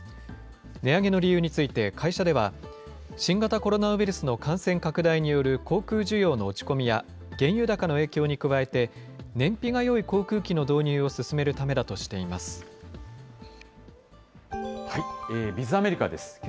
値上げの理由について会社では、新型コロナウイルスの感染拡大による航空需要の落ち込みや原油高の影響に加えて、燃費がよい航空機の導入を進めるためだとしています。